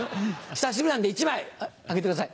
久しぶりなんで１枚あげてください。